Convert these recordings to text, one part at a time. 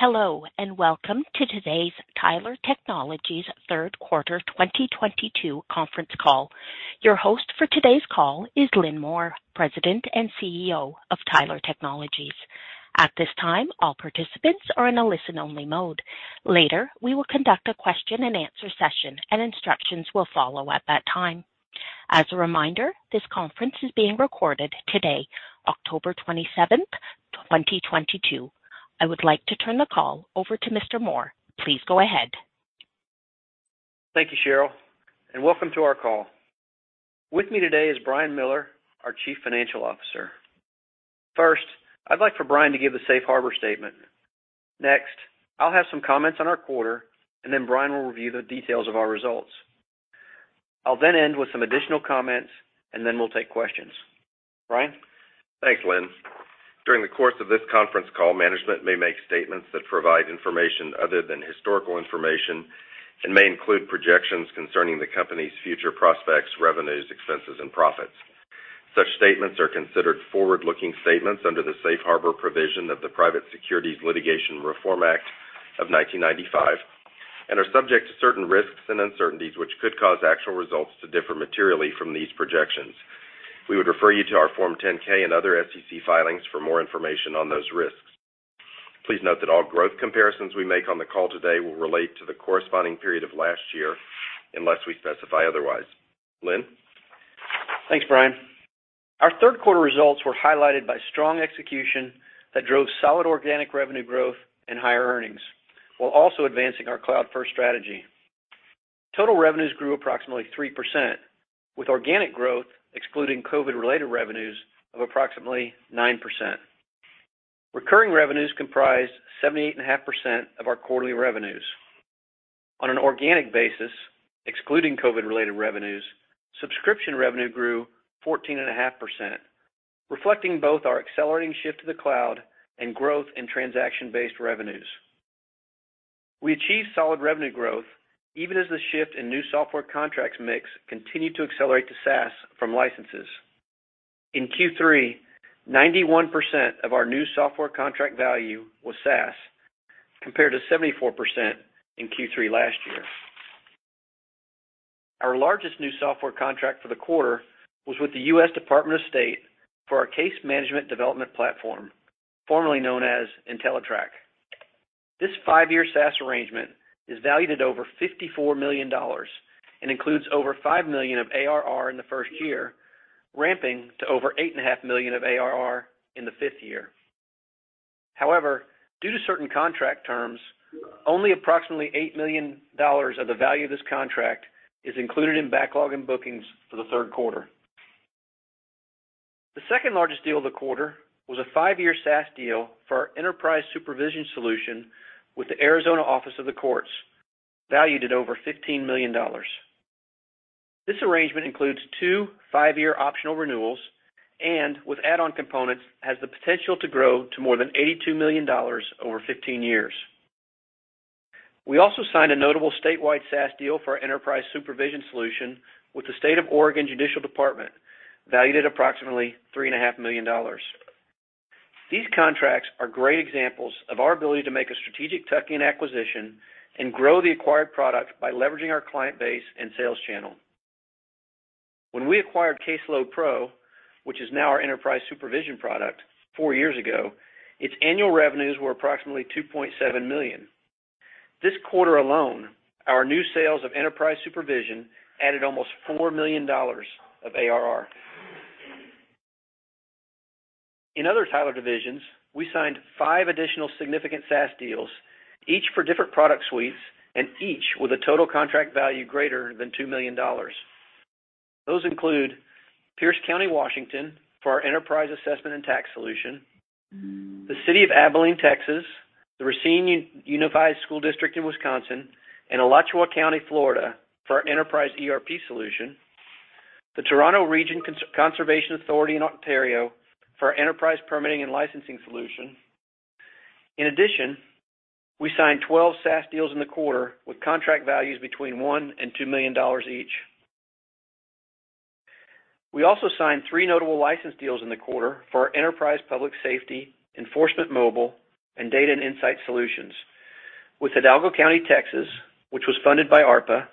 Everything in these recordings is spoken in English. Hello, and welcome to today's Tyler Technologies third quarter 2022 conference call. Your host for today's call is Lynn Moore, President and CEO of Tyler Technologies. At this time, all participants are in a listen-only mode. Later, we will conduct a question-and-answer session, and instructions will follow at that time. As a reminder, this conference is being recorded today, October 27, 2022. I would like to turn the call over to Mr. Moore. Please go ahead. Thank you, Cheryl, and welcome to our call. With me today is Brian Miller, our Chief Financial Officer. First, I'd like for Brian to give the safe harbor statement. Next, I'll have some comments on our quarter, and then Brian will review the details of our results. I'll then end with some additional comments, and then we'll take questions. Brian? Thanks, Lynn. During the course of this conference call, management may make statements that provide information other than historical information and may include projections concerning the company's future prospects, revenues, expenses, and profits. Such statements are considered forward-looking statements under the Safe Harbor provision of the Private Securities Litigation Reform Act of 1995 and are subject to certain risks and uncertainties which could cause actual results to differ materially from these projections. We would refer you to our Form 10-K and other SEC filings for more information on those risks. Please note that all growth comparisons we make on the call today will relate to the corresponding period of last year unless we specify otherwise. Lynn? Thanks, Brian. Our third quarter results were highlighted by strong execution that drove solid organic revenue growth and higher earnings while also advancing our cloud-first strategy. Total revenues grew approximately 3%, with organic growth excluding COVID-related revenues of approximately 9%. Recurring revenues comprised 78.5% of our quarterly revenues. On an organic basis, excluding COVID-related revenues, subscription revenue grew 14.5%, reflecting both our accelerating shift to the cloud and growth in transaction-based revenues. We achieved solid revenue growth even as the shift in new software contracts mix continued to accelerate to SaaS from licenses. In Q3, 91% of our new software contract value was SaaS, compared to 74% in Q3 last year. Our largest new software contract for the quarter was with the U.S. Department of State for our case management development platform, formerly known as Entellitrak. This five-year SaaS arrangement is valued at over $54 million and includes over $5 million of ARR in the first year, ramping to over $8.5 million of ARR in the fifth year. However, due to certain contract terms, only approximately $8 million of the value of this contract is included in backlog and bookings for the third quarter. The second-largest deal of the quarter was a five-year SaaS deal for our Enterprise Supervision solution with the Arizona Administrative Office of the Courts, valued at over $15 million. This arrangement includes two five-year optional renewals, and with add-on components, has the potential to grow to more than $82 million over 15 years. We also signed a notable statewide SaaS deal for our Enterprise Supervision solution with the Oregon Judicial Department, valued at approximately $3.5 million. These contracts are great examples of our ability to make a strategic tuck-in acquisition and grow the acquired product by leveraging our client base and sales channel. When we acquired CaseloadPRO, which is now our Enterprise Supervision product, four years ago, its annual revenues were approximately $2.7 million. This quarter alone, our new sales of Enterprise Supervision added almost $4 million of ARR. In other Tyler divisions, we signed five additional significant SaaS deals, each for different product suites and each with a total contract value greater than $2 million. Those include Pierce County, Washington, for our Enterprise Assessment & Tax solution, the City of Abilene, Texas, the Racine Unified School District in Wisconsin, and Alachua County, Florida, for our Enterprise ERP solution, the Toronto and Region Conservation Authority in Ontario for our Enterprise Permitting & Licensing solution. In addition, we signed 12 SaaS deals in the quarter with contract values between $1 million and $2 million each. We also signed three notable license deals in the quarter for our Enterprise Public Safety, Enforcement Mobile, and Data & Insights solutions with Hidalgo County, Texas, which was funded by ARPA,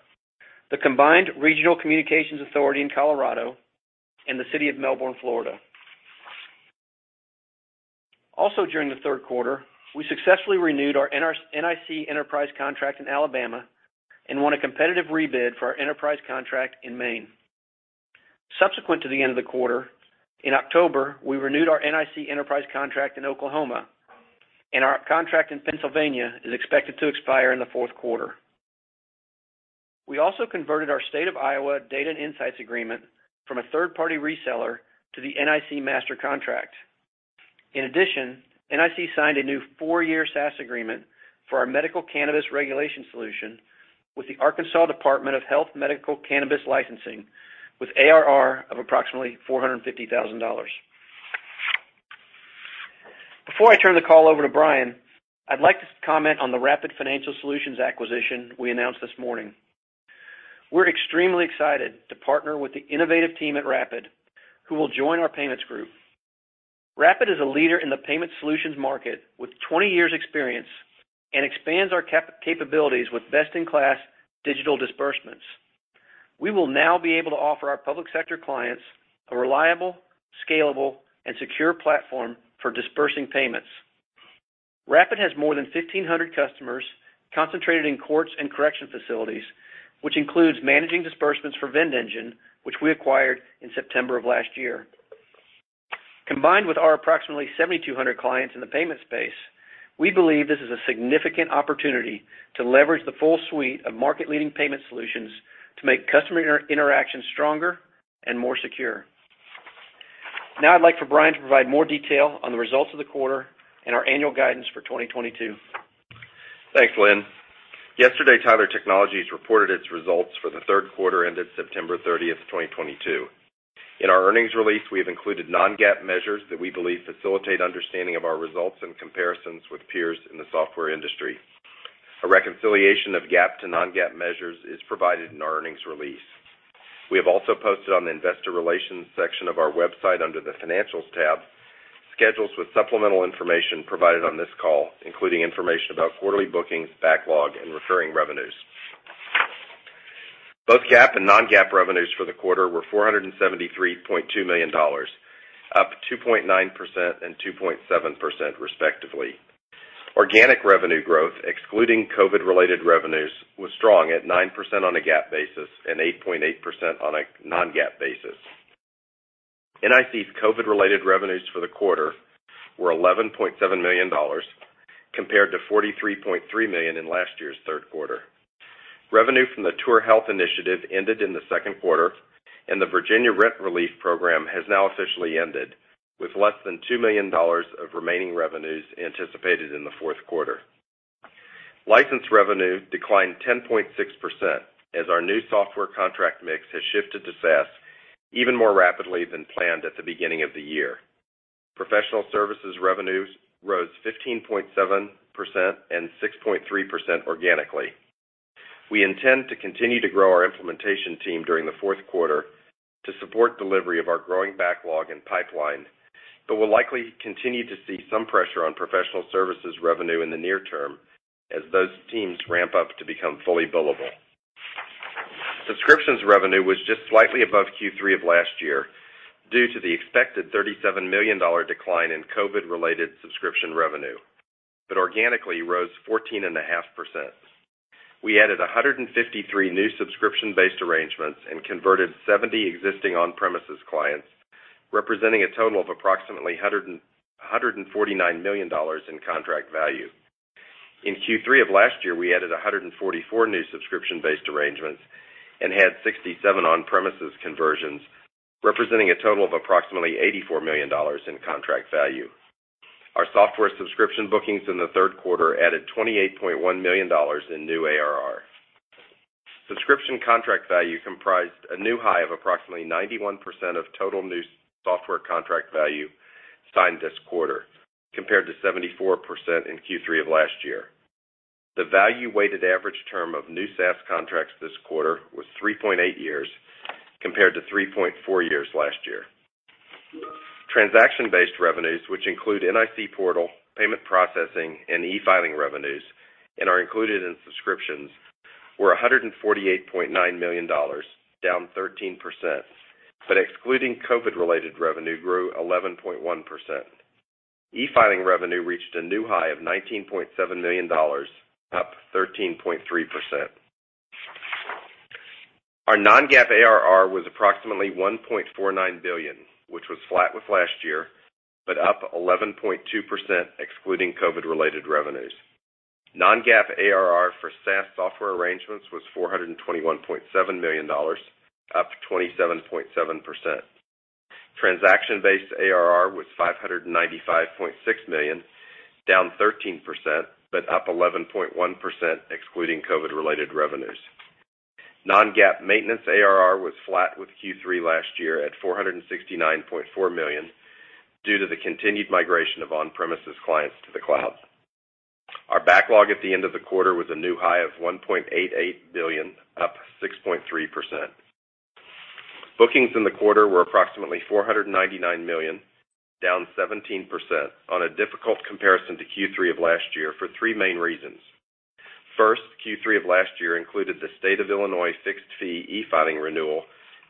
the Combined Regional Communications Authority in Colorado, and the City of Melbourne, Florida. Also during the third quarter, we successfully renewed our NIC enterprise contract in Alabama and won a competitive rebid for our enterprise contract in Maine. Subsequent to the end of the quarter, in October, we renewed our NIC enterprise contract in Oklahoma, and our contract in Pennsylvania is expected to expire in the fourth quarter. We also converted our State of Iowa Data & Insights agreement from a third-party reseller to the NIC master contract. In addition, NIC signed a new four-year SaaS agreement for our medical cannabis regulation solution with the Arkansas Department of Health Medical Cannabis Licensing with ARR of approximately $450,000. Before I turn the call over to Brian, I'd like to comment on the Rapid Financial Solutions acquisition we announced this morning. We're extremely excited to partner with the innovative team at Rapid, who will join our payments group. Rapid is a leader in the payment solutions market with 20 years experience and expands our capabilities with best-in-class digital disbursements. We will now be able to offer our public sector clients a reliable, scalable, and secure platform for disbursing payments. Rapid has more than 1,500 customers concentrated in courts and corrections facilities, which includes managing disbursements for VendEngine, which we acquired in September of last year. Combined with our approximately 7,200 clients in the payment space, we believe this is a significant opportunity to leverage the full suite of market-leading payment solutions to make customer interactions stronger and more secure. Now I'd like for Brian to provide more detail on the results of the quarter and our annual guidance for 2022. Thanks, Lynn. Yesterday, Tyler Technologies reported its results for the third quarter ended September 30th, 2022. In our earnings release, we have included non-GAAP measures that we believe facilitate understanding of our results and comparisons with peers in the software industry. A reconciliation of GAAP to non-GAAP measures is provided in our earnings release. We have also posted on the investor relations section of our website under the Financials tab, schedules with supplemental information provided on this call, including information about quarterly bookings, backlog, and recurring revenues. Both GAAP and non-GAAP revenues for the quarter were $473.2 million, up 2.9% and 2.7% respectively. Organic revenue growth, excluding COVID-related revenues, was strong at 9% on a GAAP basis and 8.8% on a non-GAAP basis. NIC's COVID-related revenues for the quarter were $11.7 million compared to $43.3 million in last year's third quarter. Revenue from the TourHealth initiative ended in the second quarter, and the Virginia Rent Relief Program has now officially ended, with less than $2 million of remaining revenues anticipated in the fourth quarter. License revenue declined 10.6% as our new software contract mix has shifted to SaaS even more rapidly than planned at the beginning of the year. Professional services revenues rose 15.7% and 6.3% organically. We intend to continue to grow our implementation team during the fourth quarter to support delivery of our growing backlog and pipeline, but we'll likely continue to see some pressure on professional services revenue in the near term as those teams ramp up to become fully billable. Subscriptions revenue was just slightly above Q3 of last year due to the expected $37 million decline in COVID-related subscription revenue, but organically rose 14.5%. We added 153 new subscription-based arrangements and converted 70 existing on-premises clients, representing a total of approximately $149 million in contract value. In Q3 of last year, we added 144 new subscription-based arrangements and had 67 on-premises conversions, representing a total of approximately $84 million in contract value. Our software subscription bookings in the third quarter added $28.1 million in new ARR. Subscription contract value comprised a new high of approximately 91% of total new software contract value signed this quarter, compared to 74% in Q3 of last year. The value-weighted average term of new SaaS contracts this quarter was 3.8 years, compared to 3.4 years last year. Transaction-based revenues, which include NIC portal, payment processing, and e-filing revenues and are included in subscriptions, were $148.9 million, down 13%, but excluding COVID-related revenue, grew 11.1%. E-filing revenue reached a new high of $19.7 million, up 13.3%. Our non-GAAP ARR was approximately $1.49 billion, which was flat with last year, but up 11.2% excluding COVID-related revenues. Non-GAAP ARR for SaaS software arrangements was $421.7 million, up 27.7%. Transaction-based ARR was $595.6 million, down 13%, but up 11.1% excluding COVID-related revenues. Non-GAAP maintenance ARR was flat with Q3 last year at $469.4 million due to the continued migration of on-premises clients to the cloud. Our backlog at the end of the quarter was a new high of $1.88 billion, up 6.3%. Bookings in the quarter were approximately $499 million, down 17% on a difficult comparison to Q3 of last year for three main reasons. First, Q3 of last year included the State of Illinois fixed fee e-filing renewal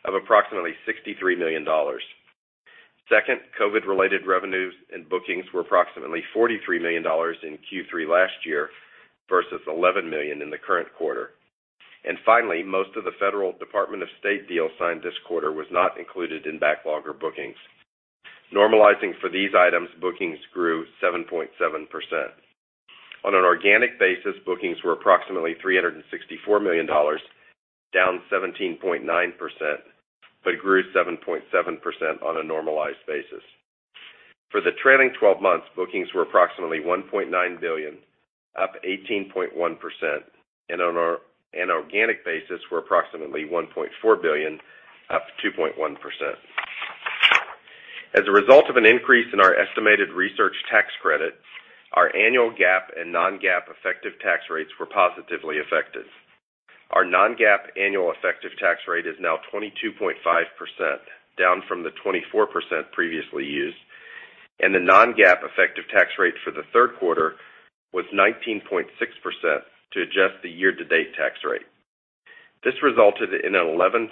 of approximately $63 million. Second, COVID-related revenues and bookings were approximately $43 million in Q3 last year versus $11 million in the current quarter. Finally, most of the United States Department of State deal signed this quarter was not included in backlog or bookings. Normalizing for these items, bookings grew 7.7%. On an organic basis, bookings were approximately $364 million, down 17.9%, but grew 7.7% on a normalized basis. For the trailing 12 months, bookings were approximately $1.9 billion, up 18.1%, and on an organic basis were approximately $1.4 billion, up 2.1%. As a result of an increase in our estimated research tax credit, our annual GAAP and non-GAAP effective tax rates were positively affected. Our non-GAAP annual effective tax rate is now 22.5%, down from the 24% previously used, and the non-GAAP effective tax rate for the third quarter was 19.6% to adjust the year-to-date tax rate. This resulted in an $0.11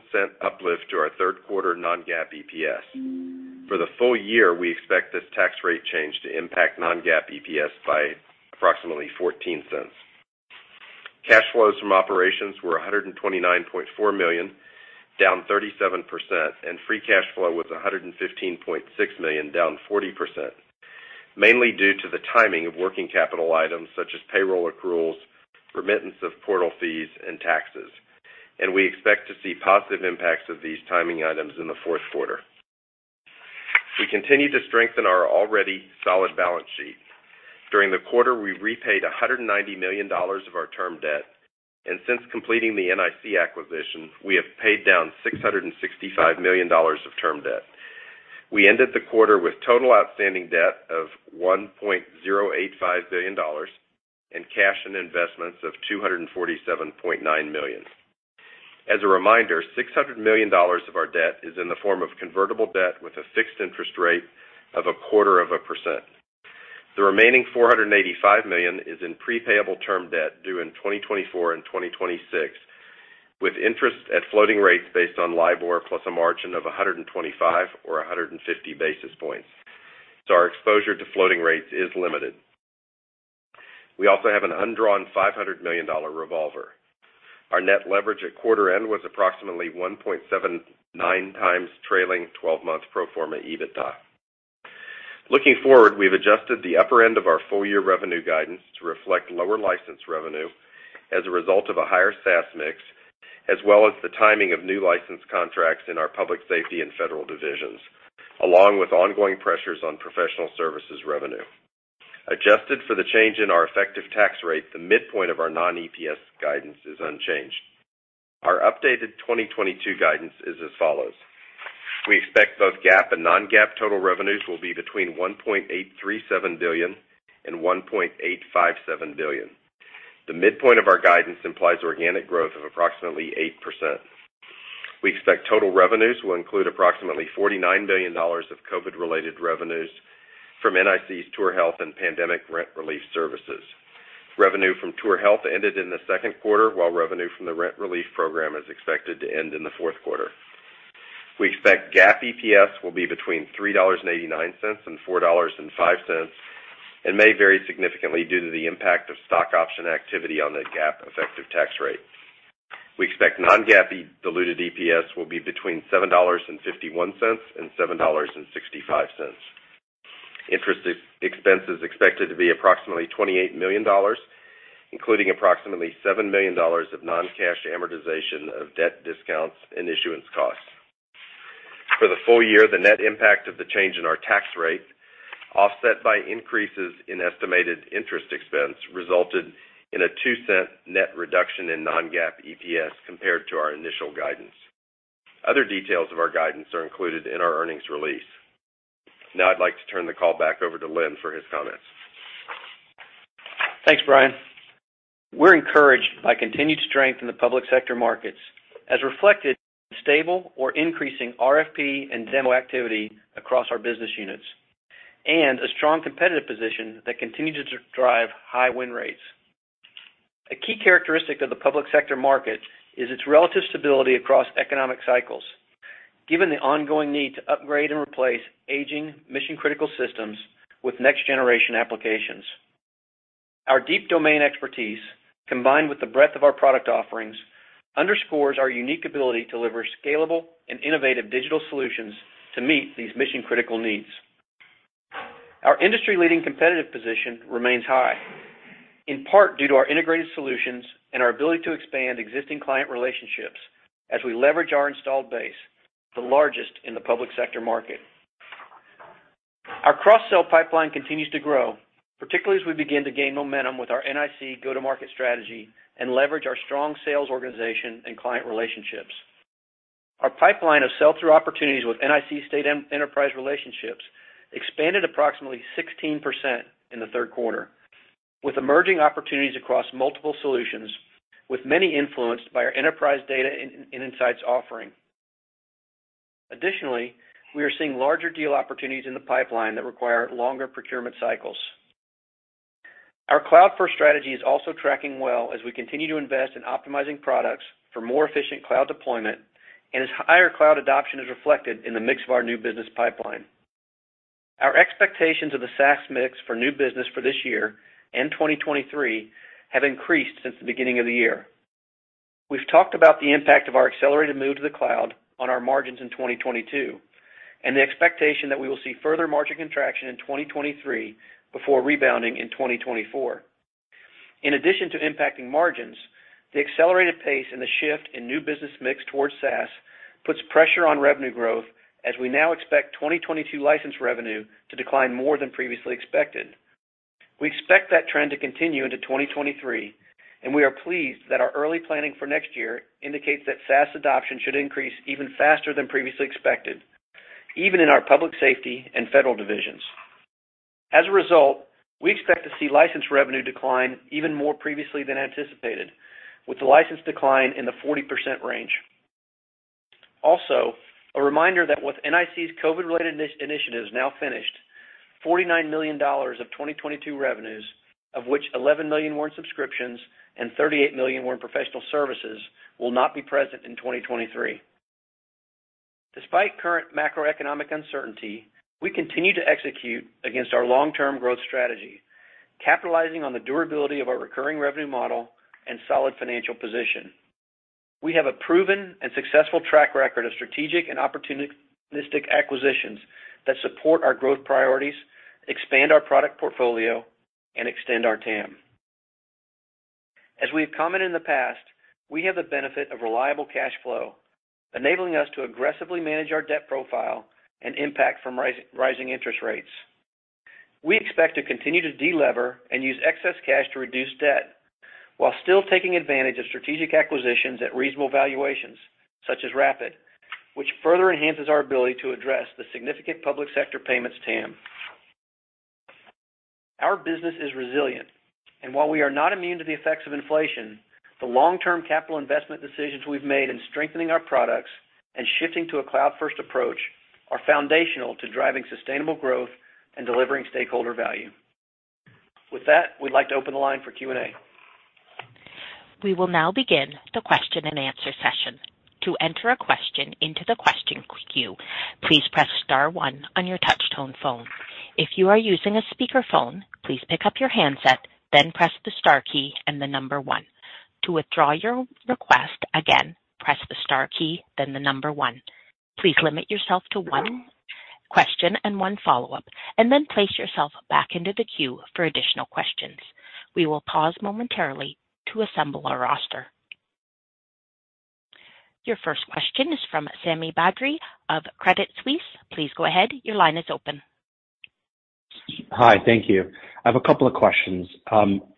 uplift to our third quarter non-GAAP EPS. For the full year, we expect this tax rate change to impact non-GAAP EPS by approximately $0.14. Cash flows from operations were $129.4 million, down 37%, and free cash flow was $115.6 million, down 40%, mainly due to the timing of working capital items such as payroll accruals, remittance of portal fees, and taxes. We expect to see positive impacts of these timing items in the fourth quarter. We continue to strengthen our already solid balance sheet. During the quarter, we repaid $190 million of our term debt, and since completing the NIC acquisition, we have paid down $665 million of term debt. We ended the quarter with total outstanding debt of $1.085 billion and cash and investments of $247.9 million. As a reminder, $600 million of our debt is in the form of convertible debt with a fixed interest rate of 0.25%. The remaining $485 million is in prepayable term debt due in 2024 and 2026, with interest at floating rates based on LIBOR plus a margin of 125 basis points or 150 basis points, so our exposure to floating rates is limited. We also have an undrawn $500 million revolver. Our net leverage at quarter end was approximately 1.79 times trailing twelve-month pro forma EBITDA. Looking forward, we've adjusted the upper end of our full-year revenue guidance to reflect lower license revenue as a result of a higher SaaS mix, as well as the timing of new license contracts in our public safety and federal divisions, along with ongoing pressures on professional services revenue. Adjusted for the change in our effective tax rate, the midpoint of our non-GAAP EPS guidance is unchanged. Our updated 2022 guidance is as follows. We expect both GAAP and non-GAAP total revenues will be between $1.837 billion and $1.857 billion. The midpoint of our guidance implies organic growth of approximately 8%. We expect total revenues will include approximately $49 million of COVID-related revenues from NIC's TourHealth and Pandemic Rent Relief Services. Revenue from TourHealth ended in the second quarter, while revenue from the rent relief program is expected to end in the fourth quarter. We expect GAAP EPS will be between $3.89 and $4.05, and may vary significantly due to the impact of stock option activity on the GAAP effective tax rate. We expect non-GAAP diluted EPS will be between $7.51 and $7.65. Interest expense is expected to be approximately $28 million, including approximately $7 million of non-cash amortization of debt discounts and issuance costs. For the full year, the net impact of the change in our tax rate, offset by increases in estimated interest expense, resulted in a $0.02 net reduction in non-GAAP EPS compared to our initial guidance. Other details of our guidance are included in our earnings release. Now I'd like to turn the call back over to Lynn for his comments. Thanks, Brian. We're encouraged by continued strength in the public sector markets, as reflected in stable or increasing RFP and demo activity across our business units, and a strong competitive position that continues to drive high win rates. A key characteristic of the public sector market is its relative stability across economic cycles, given the ongoing need to upgrade and replace aging mission-critical systems with next-generation applications. Our deep domain expertise, combined with the breadth of our product offerings, underscores our unique ability to deliver scalable and innovative digital solutions to meet these mission-critical needs. Our industry-leading competitive position remains high, in part due to our integrated solutions and our ability to expand existing client relationships as we leverage our installed base, the largest in the public sector market. Our cross-sell pipeline continues to grow, particularly as we begin to gain momentum with our NIC go-to-market strategy and leverage our strong sales organization and client relationships. Our pipeline of sell-through opportunities with NIC state enterprise relationships expanded approximately 16% in the third quarter, with emerging opportunities across multiple solutions, with many influenced by our enterprise data insights offering. Additionally, we are seeing larger deal opportunities in the pipeline that require longer procurement cycles. Our cloud-first strategy is also tracking well as we continue to invest in optimizing products for more efficient cloud deployment and as higher cloud adoption is reflected in the mix of our new business pipeline. Our expectations of the SaaS mix for new business for this year and 2023 have increased since the beginning of the year. We've talked about the impact of our accelerated move to the cloud on our margins in 2022, and the expectation that we will see further margin contraction in 2023 before rebounding in 2024. In addition to impacting margins, the accelerated pace and the shift in new business mix towards SaaS puts pressure on revenue growth as we now expect 2022 license revenue to decline more than previously expected. We expect that trend to continue into 2023, and we are pleased that our early planning for next year indicates that SaaS adoption should increase even faster than previously expected, even in our public safety and federal divisions. As a result, we expect to see license revenue decline even more than previously anticipated, with the license decline in the 40% range. Also, a reminder that with NIC's COVID-related initiatives now finished, $49 million of 2022 revenues, of which $11 million were in subscriptions and $38 million were in professional services, will not be present in 2023. Despite current macroeconomic uncertainty, we continue to execute against our long-term growth strategy, capitalizing on the durability of our recurring revenue model and solid financial position. We have a proven and successful track record of strategic and opportunistic acquisitions that support our growth priorities, expand our product portfolio and extend our TAM. As we have commented in the past, we have the benefit of reliable cash flow, enabling us to aggressively manage our debt profile and impact from rising interest rates. We expect to continue to de-lever and use excess cash to reduce debt while still taking advantage of strategic acquisitions at reasonable valuations, such as Rapid, which further enhances our ability to address the significant public sector payments TAM. Our business is resilient, and while we are not immune to the effects of inflation, the long-term capital investment decisions we've made in strengthening our products and shifting to a cloud-first approach are foundational to driving sustainable growth and delivering stakeholder value. With that, we'd like to open the line for Q&A. We will now begin the question and answer session. To enter a question into the question queue, please press star one on your touchtone phone. If you are using a speakerphone, please pick up your handset, then press the star key and the number one. To withdraw your request, again, press the star key, then the number one. Please limit yourself to one question and one follow-up, and then place yourself back into the queue for additional questions. We will pause momentarily to assemble our roster. Your first question is from Sami Badri of Credit Suisse. Please go ahead. Your line is open. Hi. Thank you. I have a couple of questions.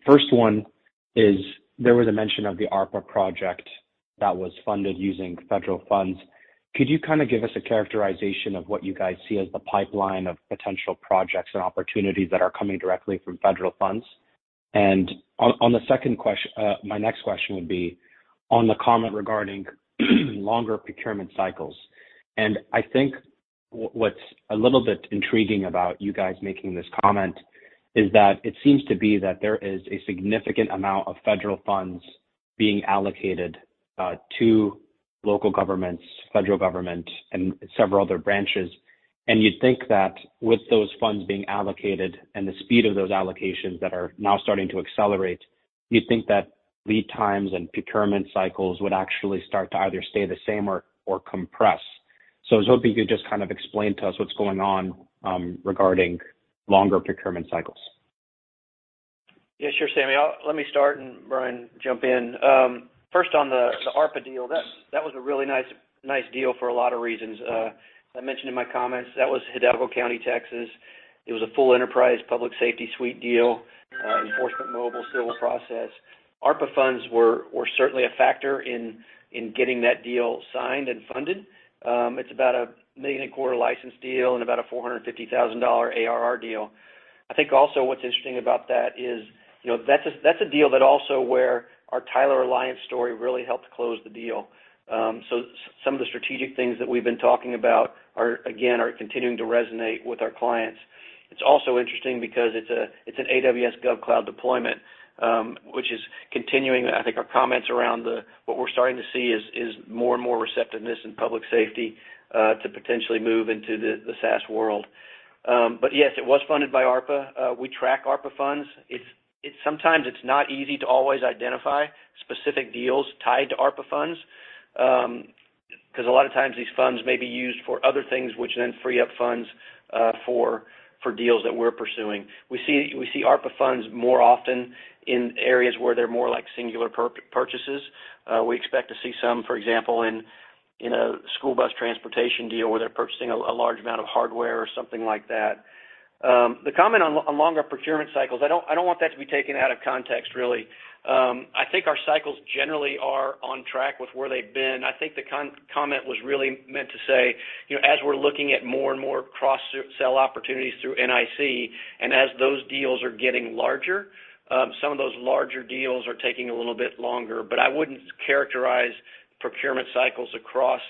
First one is there was a mention of the ARPA project that was funded using federal funds. Could you kind of give us a characterization of what you guys see as the pipeline of potential projects and opportunities that are coming directly from federal funds? My next question would be on the comment regarding longer procurement cycles. I think what's a little bit intriguing about you guys making this comment is that it seems to be that there is a significant amount of federal funds being allocated to local governments, federal government, and several other branches. You'd think that with those funds being allocated and the speed of those allocations that are now starting to accelerate, you'd think that lead times and procurement cycles would actually start to either stay the same or compress. I was hoping you could just kind of explain to us what's going on regarding longer procurement cycles. Yeah, sure, Sami. Let me start, and Brian, jump in. First on the ARPA deal, that was a really nice deal for a lot of reasons. As I mentioned in my comments, that was Hidalgo County, Texas. It was a full Enterprise Public Safety suite deal, Enforcement Mobile, civil process. ARPA funds were certainly a factor in getting that deal signed and funded. It's about a $1.25 million license deal and about a $450,000 ARR deal. I think also what's interesting about that is, you know, that's a deal that also where our Tyler Alliance story really helped close the deal. So some of the strategic things that we've been talking about are again continuing to resonate with our clients. It's also interesting because it's an AWS GovCloud deployment, which is continuing. I think our comments around what we're starting to see is more and more receptiveness in public safety to potentially move into the SaaS world. But yes, it was funded by ARPA. We track ARPA funds. It's sometimes not easy to always identify specific deals tied to ARPA funds, because a lot of times these funds may be used for other things which then free up funds for deals that we're pursuing. We see ARPA funds more often in areas where they're more like singular purchases. We expect to see some, for example, in a school bus transportation deal where they're purchasing a large amount of hardware or something like that. The comment on longer procurement cycles, I don't want that to be taken out of context really. I think our cycles generally are on track with where they've been. I think the comment was really meant to say, you know, as we're looking at more and more cross sell opportunities through NIC, and as those deals are getting larger, some of those larger deals are taking a little bit longer. I wouldn't characterize procurement cycles across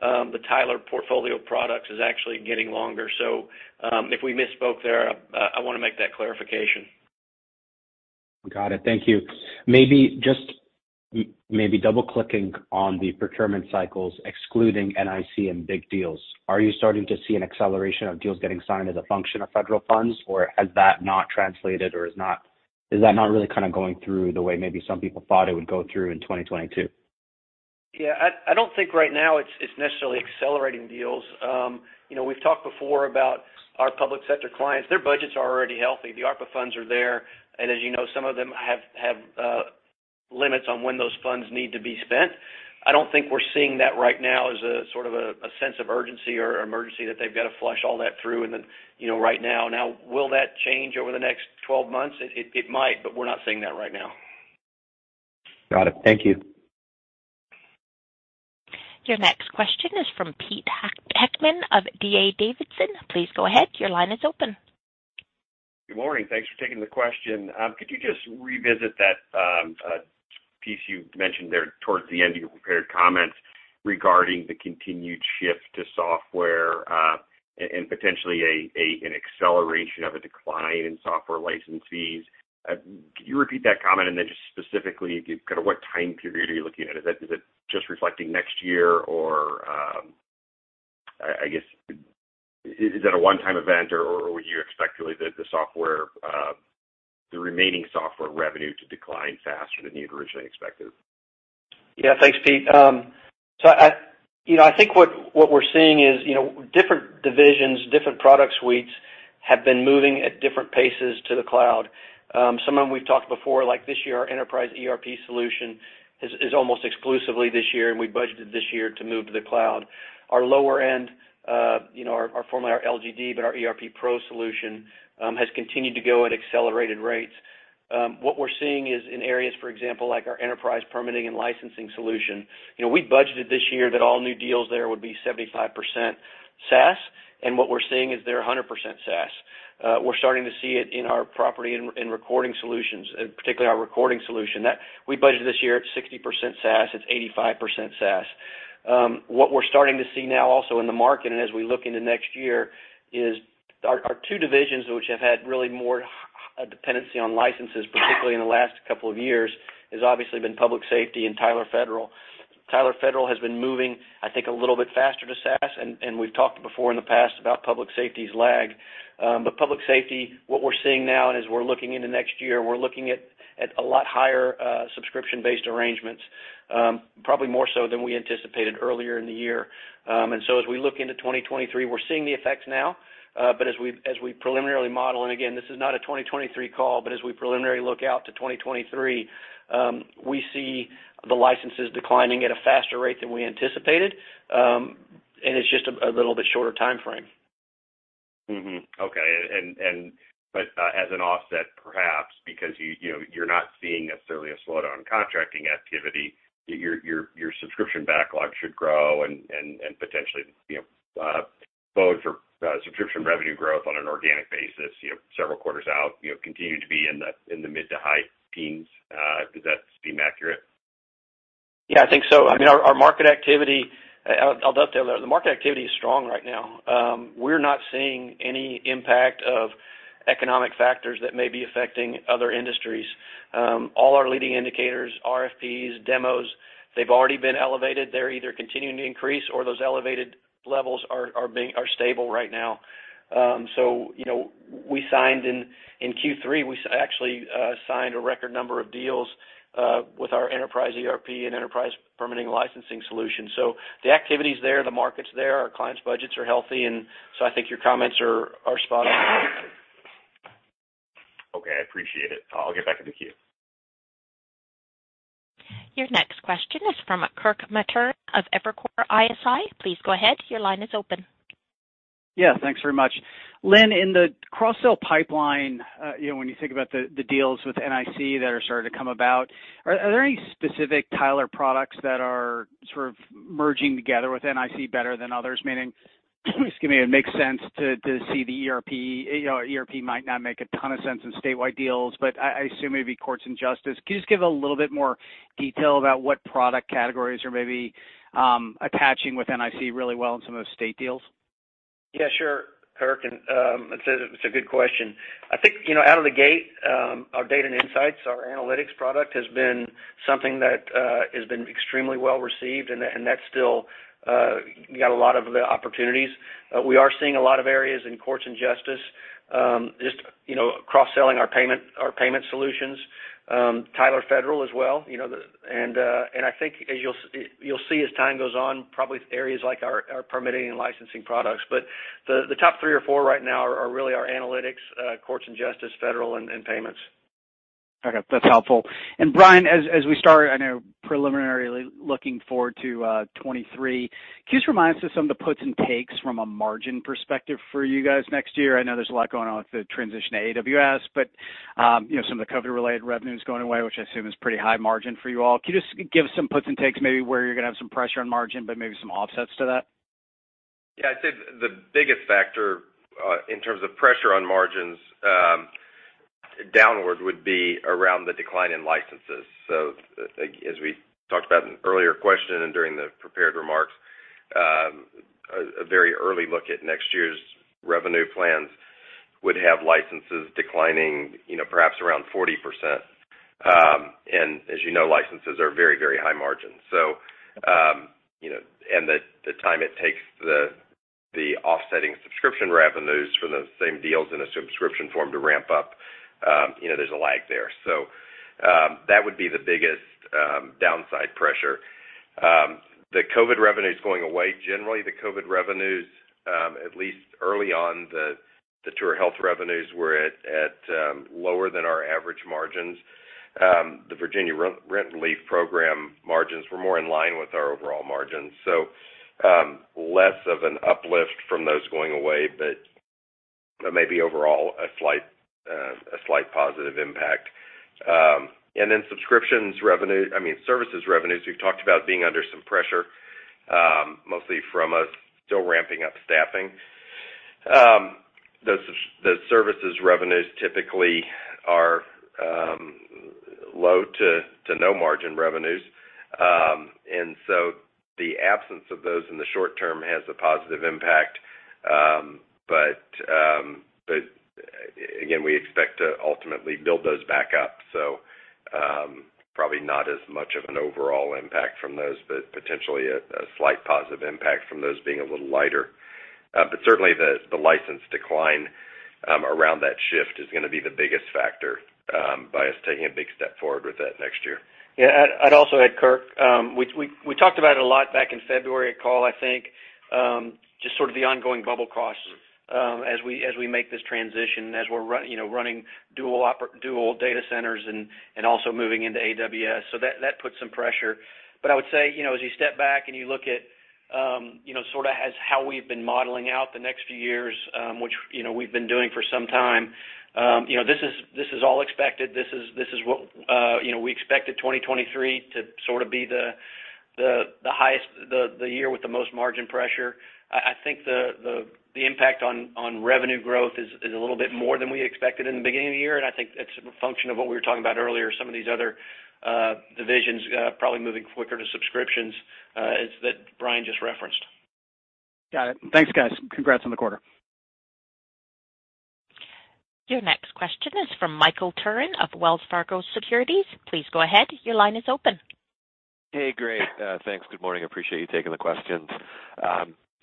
the Tyler portfolio of products as actually getting longer. If we misspoke there, I wanna make that clarification. Got it. Thank you. Maybe just maybe double-clicking on the procurement cycles, excluding NIC and big deals, are you starting to see an acceleration of deals getting signed as a function of federal funds, or has that not translated or is that not really kind of going through the way maybe some people thought it would go through in 2022? Yeah, I don't think right now it's necessarily accelerating deals. You know, we've talked before about our public sector clients. Their budgets are already healthy. The ARPA funds are there, and as you know, some of them have limits on when those funds need to be spent. I don't think we're seeing that right now as a sort of a sense of urgency or emergency that they've got to flush all that through and then, you know, right now. Now, will that change over the next 12 months? It might, but we're not seeing that right now. Got it. Thank you. Your next question is from Peter Heckmann of D.A. Davidson. Please go ahead. Your line is open. Good morning. Thanks for taking the question. Could you just revisit that piece you mentioned there towards the end of your prepared comments regarding the continued shift to software and potentially an acceleration of a decline in software license fees. Could you repeat that comment? Then just specifically give kind of what time period are you looking at. Is it just reflecting next year? Or, I guess, is that a one-time event or would you expect really the remaining software revenue to decline faster than you had originally expected? Yeah. Thanks, Pete. So, you know, I think what we're seeing is, you know, different divisions, different product suites have been moving at different paces to the cloud. Some of them we've talked before, like this year, our Enterprise ERP solution is almost exclusively this year, and we budgeted this year to move to the cloud. Our lower end, you know, our former LGD, but our ERP Pro solution has continued to go at accelerated rates. What we're seeing is in areas, for example, like our Enterprise Permitting & Licensing solution, you know, we budgeted this year that all new deals there would be 75% SaaS, and what we're seeing is they're 100% SaaS. We're starting to see it in our property and recording solutions, particularly our recording solution. We budgeted this year at 60% SaaS, it's 85% SaaS. What we're starting to see now also in the market and as we look into next year is our two divisions which have had really more a dependency on licenses, particularly in the last couple of years, has obviously been Public Safety and Tyler Federal. Tyler Federal has been moving, I think, a little bit faster to SaaS, and we've talked before in the past about Public Safety's lag. But Public Safety, what we're seeing now, and as we're looking into next year, we're looking at a lot higher subscription-based arrangements, probably more so than we anticipated earlier in the year. As we look into 2023, we're seeing the effects now. As we preliminarily model, and again, this is not a 2023 call, but as we preliminary look out to 2023, and it's just a little bit shorter timeframe. Okay. As an offset, perhaps, because you know, you're not seeing necessarily a slowdown in contracting activity, your subscription backlog should grow and potentially, you know, bode for subscription revenue growth on an organic basis, you know, several quarters out, you know, continue to be in the mid to high teens. Does that seem accurate? Yeah, I think so. I mean, our market activity. I'll dovetail there. The market activity is strong right now. We're not seeing any impact of economic factors that may be affecting other industries. All our leading indicators, RFPs, demos, they've already been elevated. They're either continuing to increase or those elevated levels are stable right now. You know, we actually signed in Q3 a record number of deals with our Enterprise ERP and Enterprise Permitting & Licensing solution. The activity is there, the market's there, our clients' budgets are healthy, and so I think your comments are spot on. Okay, I appreciate it. I'll get back in the queue. Your next question is from Kirk Materne of Evercore ISI. Please go ahead. Your line is open. Yeah. Thanks very much. Lynn, in the cross-sell pipeline, you know, when you think about the deals with NIC that are starting to come about, are there any specific Tyler products that are sort of merging together with NIC better than others? Meaning, excuse me, it makes sense to see the ERP. You know, ERP might not make a ton of sense in statewide deals, but I assume maybe courts and justice. Can you just give a little bit more detail about what product categories are maybe attaching with NIC really well in some of the state deals? Yeah, sure, Kirk. It's a good question. I think, you know, out of the gate, our Data & Insights, our analytics product has been something that has been extremely well received, and that's still got a lot of the opportunities. We are seeing a lot of areas in courts and justice, just, you know, cross-selling our payment solutions, Tyler Federal as well, you know. I think as you'll see as time goes on, probably areas like our permitting and licensing products. The top three or four right now are really our analytics, courts and justice, federal, and payments. Okay, that's helpful. Brian, as we start, I know preliminarily looking forward to 2023, can you just remind us of some of the puts and takes from a margin perspective for you guys next year? I know there's a lot going on with the transition to AWS, but you know, some of the COVID-related revenue is going away, which I assume is pretty high margin for you all. Can you just give some puts and takes maybe where you're gonna have some pressure on margin, but maybe some offsets to that? Yeah, I'd say the biggest factor in terms of pressure on margins downward would be around the decline in licenses. As we talked about in an earlier question and during the prepared remarks, a very early look at next year's revenue plans would have licenses declining, you know, perhaps around 40%. As you know, licenses are very, very high margin. You know, the time it takes the offsetting subscription revenues for the same deals in a subscription form to ramp up, you know, there's a lag there. That would be the biggest downside pressure. The COVID revenue is going away. Generally, the COVID revenues, at least early on the TourHealth revenues were at lower than our average margins. The Virginia Rent Relief Program margins were more in line with our overall margins. Less of an uplift from those going away, but maybe overall a slight positive impact. Then subscriptions revenue, I mean, services revenues, we've talked about being under some pressure, mostly from us still ramping up staffing. The services revenues typically are low to no margin revenues. The absence of those in the short term has a positive impact. Again, we expect to ultimately build those back up. Probably not as much of an overall impact from those, but potentially a slight positive impact from those being a little lighter. Certainly the license decline around that shift is gonna be the biggest factor by us taking a big step forward with that next year. Yeah. I'd also add, Kirk, we talked about it a lot back in the February call, I think, just sort of the ongoing double costs, as we make this transition, as we're running dual data centers and also moving into AWS. That puts some pressure. I would say, you know, as you step back and you look at, you know, sort of how we've been modeling out the next few years, which, you know, we've been doing for some time, you know, this is all expected. This is what, you know, we expected 2023 to sort of be the year with the most margin pressure. I think the impact on revenue growth is a little bit more than we expected in the beginning of the year, and I think it's a function of what we were talking about earlier, some of these other divisions probably moving quicker to subscriptions, as that Brian just referenced. Got it. Thanks, guys. Congrats on the quarter. Your next question is from Michael Turrin of Wells Fargo Securities. Please go ahead. Your line is open. Hey, great. Thanks. Good morning. I appreciate you taking the questions.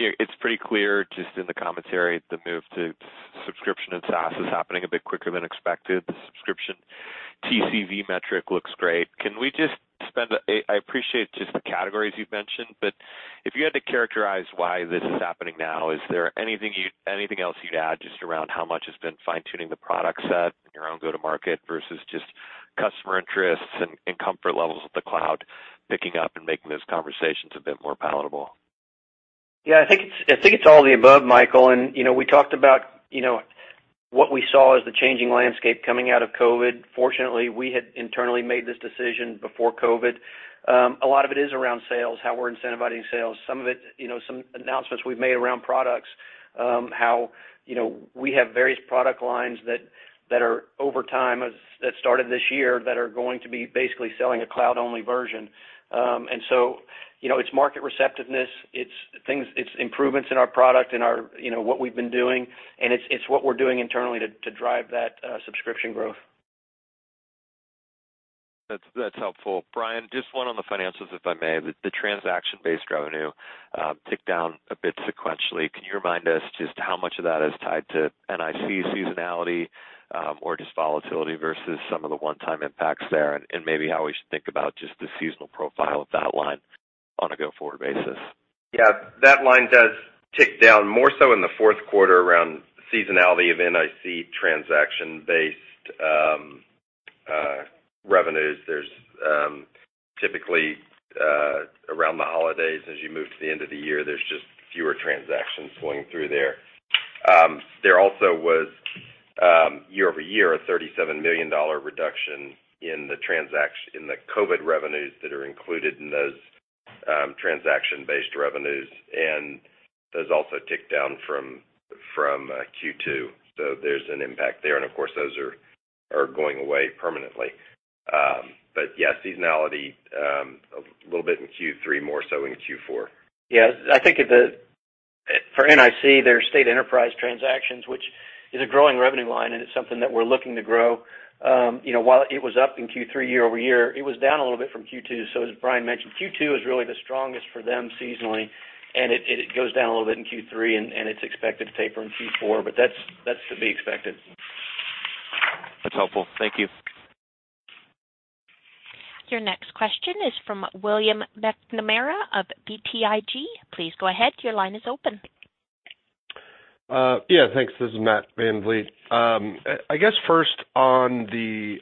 It's pretty clear just in the commentary, the move to subscription and SaaS is happening a bit quicker than expected. The subscription TCV metric looks great. Can we just—I appreciate just the categories you've mentioned, but if you had to characterize why this is happening now, is there anything else you'd add just around how much has been fine-tuning the product set in your own go-to-market versus just customer interests and comfort levels with the cloud picking up and making those conversations a bit more palatable? Yeah, I think it's all the above, Michael. You know, we talked about, you know, what we saw as the changing landscape coming out of COVID. Fortunately, we had internally made this decision before COVID. A lot of it is around sales, how we're incentivizing sales. Some of it, you know, some announcements we've made around products, how, you know, we have various product lines that are over time, as that started this year, that are going to be basically selling a cloud-only version. You know, it's market receptiveness, it's things, it's improvements in our product, in our, you know, what we've been doing, and it's what we're doing internally to drive that subscription growth. That's helpful. Brian, just one on the financials, if I may. The transaction-based revenue ticked down a bit sequentially. Can you remind us just how much of that is tied to NIC seasonality, or just volatility versus some of the one-time impacts there, and maybe how we should think about just the seasonal profile of that line on a go-forward basis? Yeah, that line does tick down more so in the fourth quarter around seasonality of NIC transaction-based revenues. There's typically around the holidays, as you move to the end of the year, there's just fewer transactions flowing through there. There also was year-over-year a $37 million reduction in the COVID revenues that are included in those transaction-based revenues, and those also ticked down from Q2. There's an impact there. Of course, those are going away permanently. Yeah, seasonality a little bit in Q3, more so in Q4. Yeah. I think for NIC, there are state enterprise transactions, which is a growing revenue line, and it's something that we're looking to grow. You know, while it was up in Q3 year-over-year, it was down a little bit from Q2. As Brian mentioned, Q2 is really the strongest for them seasonally, and it goes down a little bit in Q3 and it's expected to taper in Q4. That's to be expected. That's helpful. Thank you. Your next question is from Matthew VanVliet of BTIG. Please go ahead. Your line is open. Yeah. Thanks. This is Matthew VanVliet. I guess first on the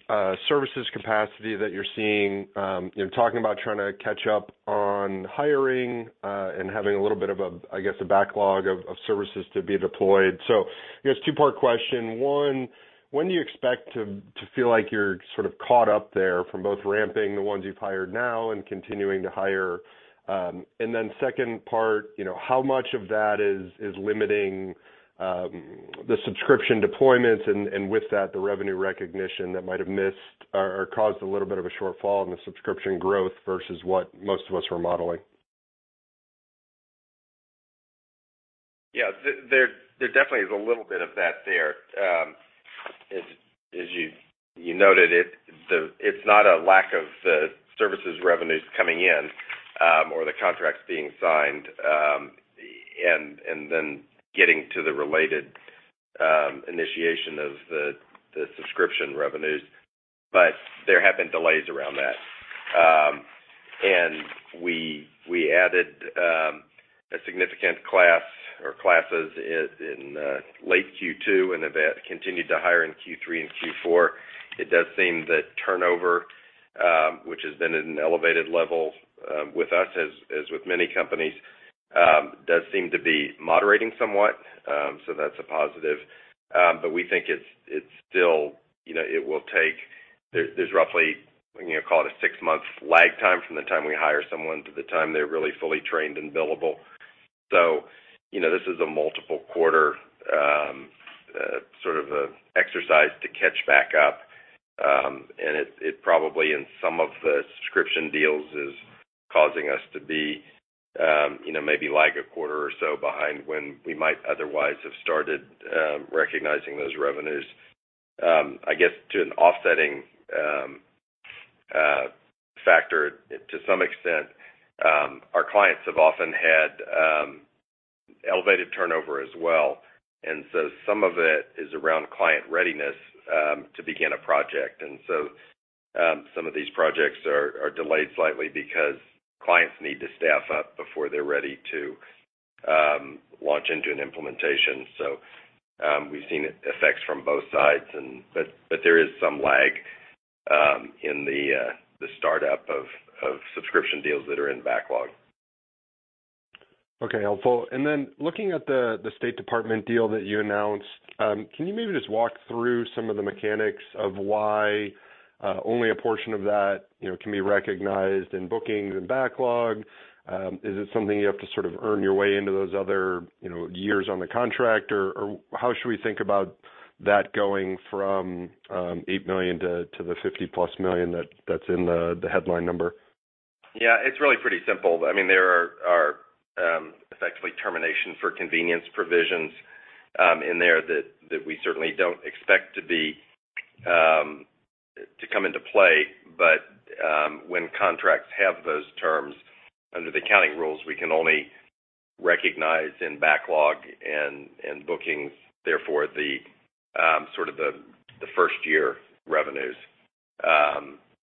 services capacity that you're seeing, you know, talking about trying to catch up on hiring, and having a little bit of a, I guess, a backlog of services to be deployed. I guess two-part question. One, when do you expect to feel like you're sort of caught up there from both ramping the ones you've hired now and continuing to hire? Then second part, you know, how much of that is limiting the subscription deployments and with that, the revenue recognition that might have missed or caused a little bit of a shortfall in the subscription growth versus what most of us were modeling? Yeah. There definitely is a little bit of that there. As you noted it's not a lack of the services revenues coming in, or the contracts being signed, and then getting to the related initiation of the subscription revenues. There have been delays around that. We added a significant class or classes in late Q2, and have continued to hire in Q3 and Q4. It does seem that turnover, which has been at an elevated level, with us as with many companies, does seem to be moderating somewhat. That's a positive. We think it's still, you know, it will take. There's roughly, you know, call it a six-month lag time from the time we hire someone to the time they're really fully trained and billable. You know, this is a multiple quarter sort of a exercise to catch back up. It probably in some of the subscription deals is causing us to be, you know, maybe like a quarter or so behind when we might otherwise have started recognizing those revenues. I guess to an offsetting factor to some extent, our clients have often had elevated turnover as well. Some of it is around client readiness to begin a project. Some of these projects are delayed slightly because clients need to staff up before they're ready to launch into an implementation. We've seen effects from both sides. There is some lag in the startup of subscription deals that are in backlog. Okay. Helpful. Looking at the State Department deal that you announced, can you maybe just walk through some of the mechanics of why only a portion of that, you know, can be recognized in bookings and backlog? Is it something you have to sort of earn your way into those other, you know, years on the contract? Or how should we think about that going from $8 million to the $50+ million that's in the headline number? Yeah, it's really pretty simple. I mean, there are effectively termination for convenience provisions in there that we certainly don't expect to come into play. When contracts have those terms, under the accounting rules, we can only recognize in backlog and bookings, therefore sort of the first year revenues.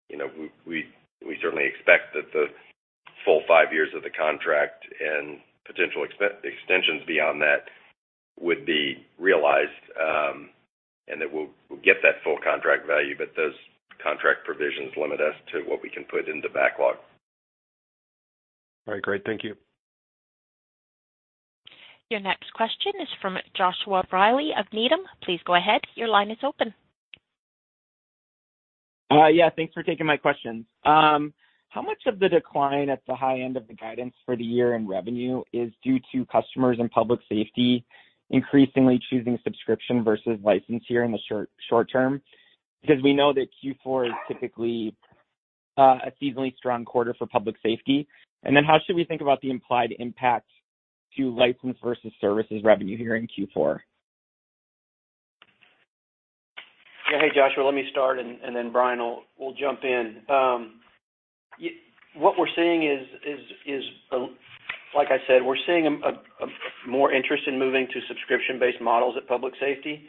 You know, we certainly expect that the full five years of the contract and potential extensions beyond that would be realized, and that we'll get that full contract value, but those contract provisions limit us to what we can put into backlog. All right, great. Thank you. Your next question is from Joshua Reilly of Needham. Please go ahead. Your line is open. Yeah, thanks for taking my questions. How much of the decline at the high end of the guidance for the year in revenue is due to customers and public safety increasingly choosing subscription versus license here in the short term? Because we know that Q4 is typically a seasonally strong quarter for public safety. How should we think about the implied impact to license versus services revenue here in Q4? Yeah. Hey, Joshua, let me start, and then Brian will jump in. What we're seeing is, like I said, we're seeing more interest in moving to subscription-based models in public safety.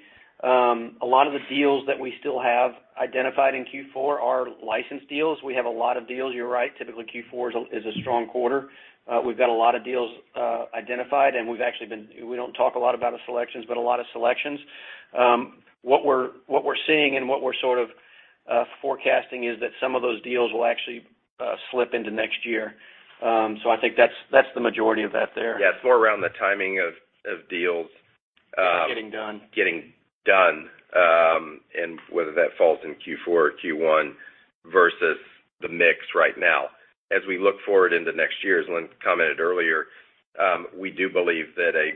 A lot of the deals that we still have identified in Q4 are license deals. We have a lot of deals. You're right, typically Q4 is a strong quarter. We've got a lot of deals identified, and we've actually. We don't talk a lot about the selections, but a lot of selections. What we're seeing and what we're sort of forecasting is that some of those deals will actually slip into next year. So I think that's the majority of that there. Yeah, it's more around the timing of deals. Getting done. Getting done, and whether that falls in Q4 or Q1 versus the mix right now. As we look forward into next year, as Lynn commented earlier, we do believe that a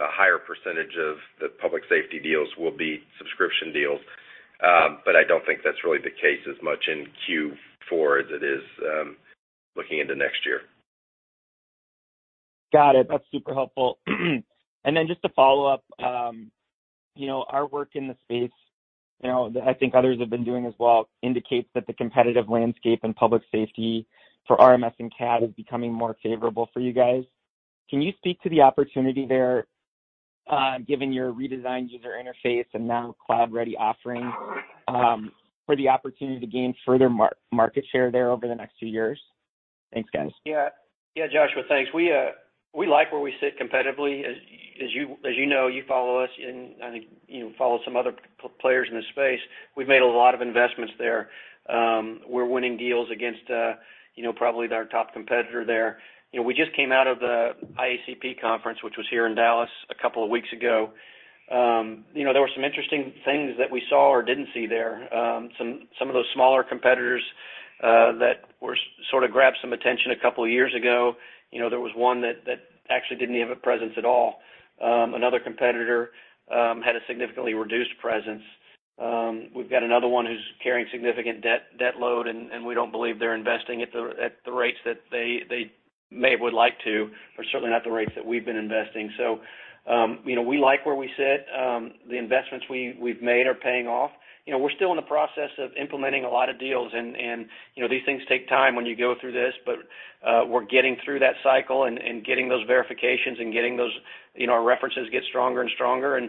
higher percentage of the public safety deals will be subscription deals. I don't think that's really the case as much in Q4 as it is looking into next year. Got it. That's super helpful. Just to follow up, you know, our work in the space, you know, that I think others have been doing as well, indicates that the competitive landscape in public safety for RMS and CAD is becoming more favorable for you guys. Can you speak to the opportunity there, given your redesigned user interface and now cloud-ready offerings, for the opportunity to gain further market share there over the next few years? Thanks, guys. Yeah. Yeah, Joshua, thanks. We like where we sit competitively. As you know, you follow us, and I think you know follow some other players in this space. We've made a lot of investments there. We're winning deals against you know probably our top competitor there. You know, we just came out of the IACP conference, which was here in Dallas a couple of weeks ago. You know, there were some interesting things that we saw or didn't see there. Some of those smaller competitors that sort of grabbed some attention a couple of years ago. You know, there was one that actually didn't have a presence at all. Another competitor had a significantly reduced presence. We've got another one who's carrying significant debt load, and we don't believe they're investing at the rates that they may would like to, or certainly not the rates that we've been investing. You know, we like where we sit. The investments we've made are paying off. You know, we're still in the process of implementing a lot of deals, and you know, these things take time when you go through this, but we're getting through that cycle and getting those verifications and getting those, you know, our references get stronger and stronger.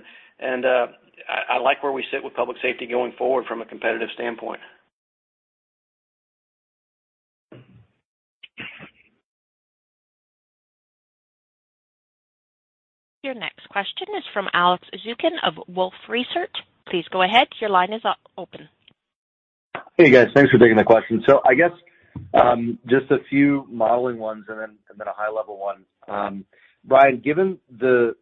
I like where we sit with public safety going forward from a competitive standpoint. Your next question is from Alex Zukin of Wolfe Research. Please go ahead. Your line is open. Hey, guys. Thanks for taking the question. I guess just a few modeling ones and then a high-level one. Brian, given the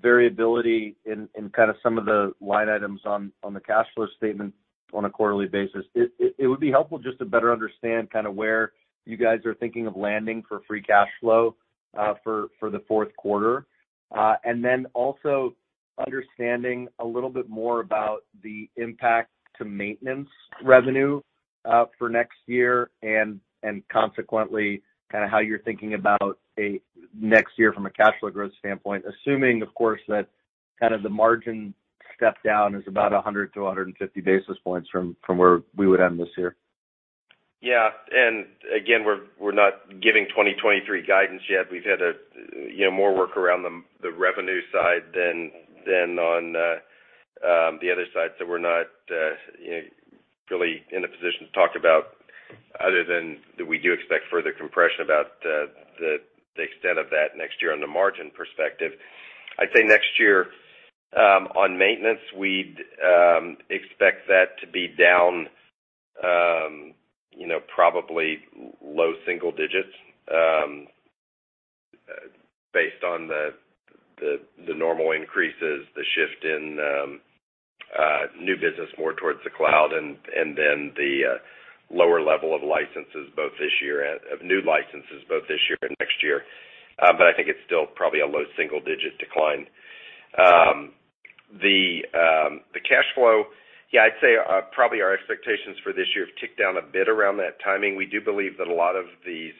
variability in kind of some of the line items on the cash flow statement on a quarterly basis, it would be helpful just to better understand kind of where you guys are thinking of landing for free cash flow for the fourth quarter. Also understanding a little bit more about the impact to maintenance revenue for next year and consequently kinda how you're thinking about a next year from a cash flow growth standpoint, assuming of course, that kind of the margin step down is about 100 basis points-150 basis points from where we would end this year. Yeah. Again, we're not giving 2023 guidance yet. We've had, you know, more work around the revenue side than on the other side. We're not really in a position to talk about, other than that we do expect further compression about the extent of that next year on the margin perspective. I'd say next year, on maintenance, we'd expect that to be down, you know, probably low single digits, based on the normal increases, the shift in new business more towards the cloud and then the lower level of new licenses both this year and next year. I think it's still probably a low single digit decline. The cash flow, yeah, I'd say, probably our expectations for this year have ticked down a bit around that timing. We do believe that a lot of these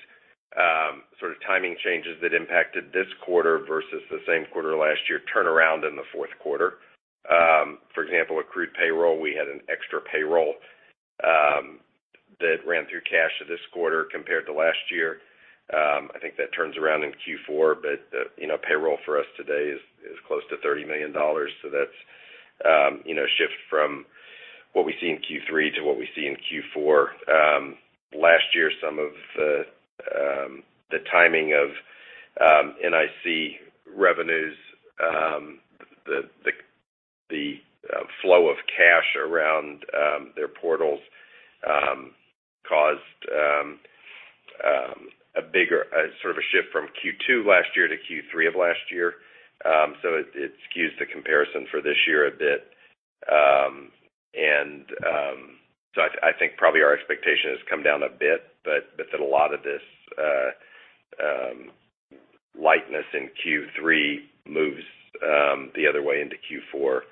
sort of timing changes that impacted this quarter versus the same quarter last year turn around in the fourth quarter. For example, accrued payroll, we had an extra payroll that ran through cash to this quarter compared to last year. I think that turns around in Q4, but you know, payroll for us today is close to $30 million, so that's you know, shift from what we see in Q3 to what we see in Q4. Last year, some of the timing of NIC revenues, the flow of cash around their portals caused a bigger sort of a shift from Q2 last year to Q3 of last year. It skews the comparison for this year a bit. I think probably our expectation has come down a bit, but that a lot of this lightness in Q3 moves the other way into Q4.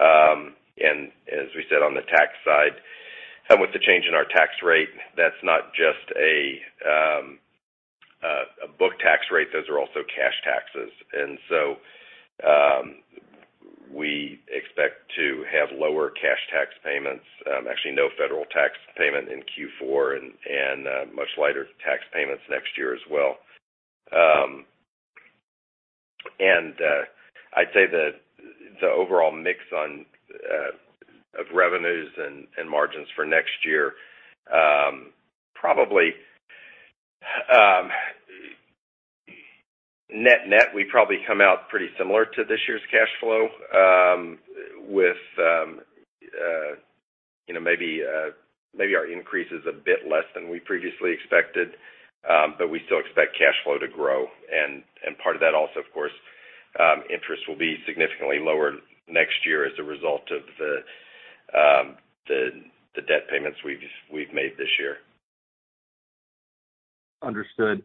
As we said on the tax side, and with the change in our tax rate, that's not just a book tax rate. Those are also cash taxes. We expect to have lower cash tax payments, actually no federal tax payment in Q4 and much lighter tax payments next year as well. I'd say the overall mix of revenues and margins for next year, probably, net-net, we probably come out pretty similar to this year's cash flow, you know, maybe our increase is a bit less than we previously expected, but we still expect cash flow to grow. Part of that also, of course, interest will be significantly lower next year as a result of the debt payments we've made this year. Understood.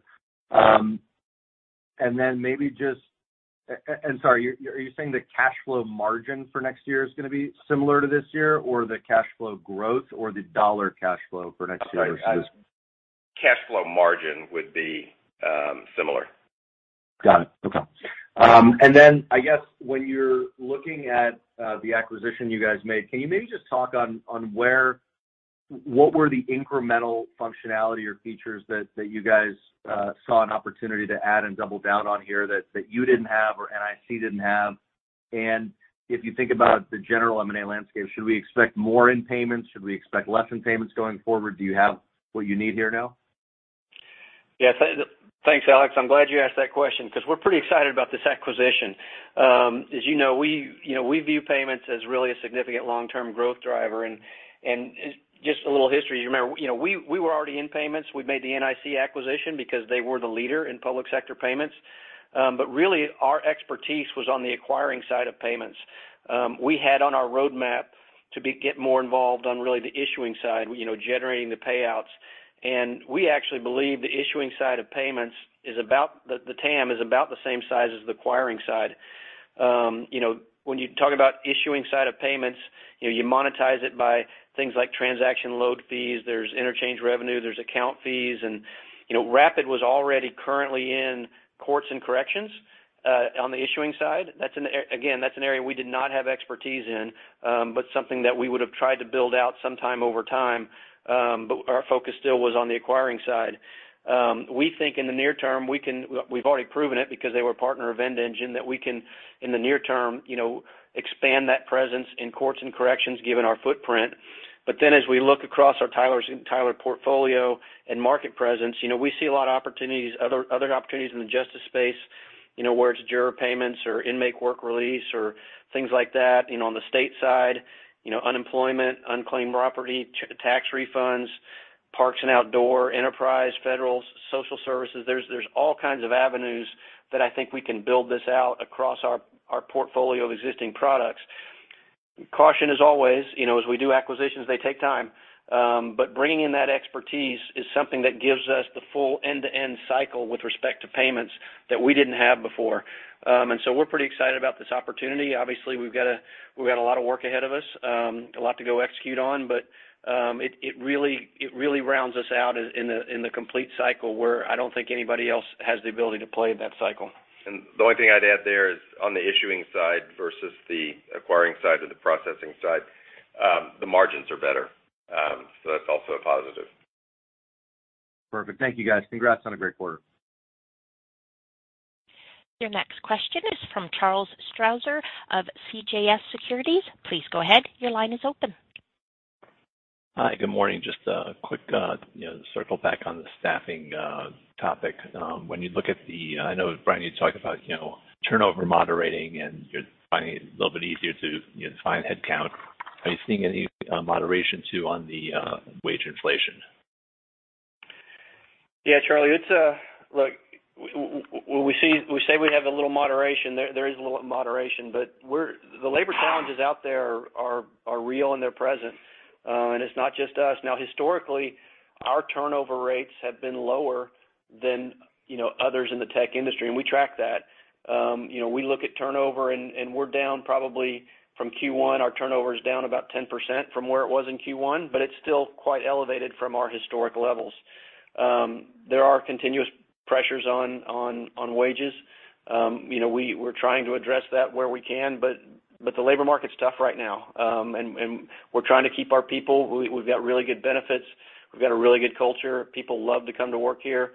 Sorry, are you saying the cash flow margin for next year is gonna be similar to this year, or the cash flow growth or the dollar cash flow for next year versus this- Cash flow margin would be similar. Got it. Okay. I guess when you're looking at the acquisition you guys made, can you maybe just talk on what were the incremental functionality or features that you guys saw an opportunity to add and double down on here that you didn't have or NIC didn't have? If you think about the general M&A landscape, should we expect more in payments? Should we expect less in payments going forward? Do you have what you need here now? Yes. Thanks, Alex. I'm glad you asked that question because we're pretty excited about this acquisition. As you know, you know, we view payments as really a significant long-term growth driver. Just a little history, you remember, you know, we were already in payments. We made the NIC acquisition because they were the leader in public sector payments. But really our expertise was on the acquiring side of payments. We had on our roadmap to get more involved on really the issuing side, you know, generating the payouts. We actually believe the issuing side of payments, the TAM, is about the same size as the acquiring side. You know, when you talk about issuing side of payments, you know, you monetize it by things like transaction load fees. There's interchange revenue. There's account fees. You know, Rapid was already currently in courts and corrections on the issuing side. That's an area we did not have expertise in, but something that we would have tried to build out sometime over time, but our focus still was on the acquiring side. We think in the near term, we've already proven it because they were a partner of VendEngine that we can, in the near term, you know, expand that presence in courts and corrections given our footprint. Then as we look across our Tyler portfolio and market presence, you know, we see a lot of opportunities, other opportunities in the justice space, you know, where it's juror payments or inmate work release, or things like that, you know, on the state side, you know, unemployment, unclaimed property, tax refunds, parks and outdoor, enterprise, federals, social services. There's all kinds of avenues that I think we can build this out across our portfolio of existing products. Caution as always, you know, as we do acquisitions, they take time. Bringing in that expertise is something that gives us the full end-to-end cycle with respect to payments that we didn't have before. We're pretty excited about this opportunity. Obviously, we've got a lot of work ahead of us, a lot to go execute on, but it really rounds us out in the complete cycle where I don't think anybody else has the ability to play in that cycle. The only thing I'd add there is on the issuing side versus the acquiring side or the processing side, the margins are better. That's also a positive. Perfect. Thank you, guys. Congrats on a great quarter. Your next question is from Charles Strauzer of CJS Securities. Please go ahead. Your line is open. Hi. Good morning. Just a quick, you know, circle back on the staffing topic. When you look at, I know, Brian, you talked about, you know, turnover moderating, and you're finding it a little bit easier to, you know, find headcount. Are you seeing any moderation too on the wage inflation? Yeah, Charlie, it's. Look, we say we have a little moderation. There is a little moderation, but the labor challenges out there are real and they're present. It's not just us. Now, historically, our turnover rates have been lower than, you know, others in the tech industry, and we track that. You know, we look at turnover and we're down probably from Q1. Our turnover is down about 10% from where it was in Q1, but it's still quite elevated from our historic levels. There are continuous pressures on wages. You know, we're trying to address that where we can, but the labor market's tough right now. We're trying to keep our people. We've got really good benefits. We've got a really good culture. People love to come to work here.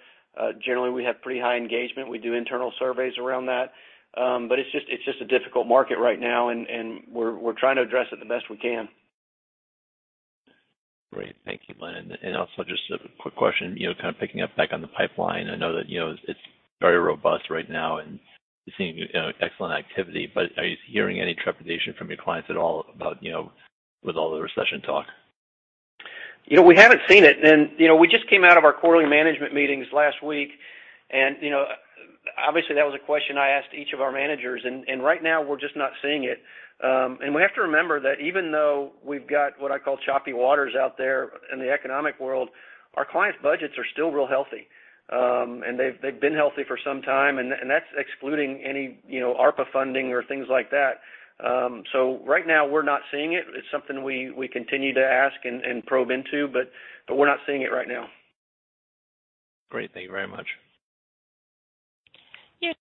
Generally, we have pretty high engagement. We do internal surveys around that. It's just a difficult market right now, and we're trying to address it the best we can. Great. Thank you, Lynn. Also just a quick question, you know, kind of picking up back on the pipeline. I know that, you know, it's very robust right now and you're seeing excellent activity, but are you hearing any trepidation from your clients at all about, you know, with all the recession talk? You know, we haven't seen it. You know, we just came out of our quarterly management meetings last week. You know, obviously, that was a question I asked each of our managers, and right now we're just not seeing it. We have to remember that even though we've got what I call choppy waters out there in the economic world, our clients' budgets are still real healthy. They've been healthy for some time, and that's excluding any, you know, ARPA funding or things like that. Right now we're not seeing it. It's something we continue to ask and probe into, but we're not seeing it right now. Great. Thank you very much. Your